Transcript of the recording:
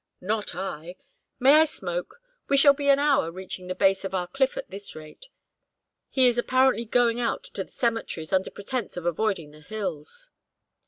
"Not I! May I smoke? We shall be an hour reaching the base of our cliff at this rate. He is apparently going out to the cemeteries under pretence of avoiding the hills."